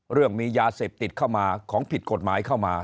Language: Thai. เรื่องมียาเสพติดเข้ามาของผิดกฎหมายเข้ามา